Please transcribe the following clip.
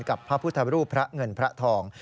พระพุทธรูปพระเงินพระทอง